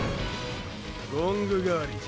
ゴング代わりじゃ。